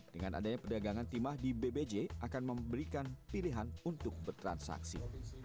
dengan adanya perdagangan timah di bbj akan memberikan pilihan untuk bertransaksi